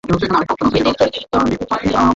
এটির পরিচালক তরুণ মজুমদার।